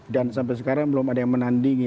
dan sampai sekarang belum ada yang menandingi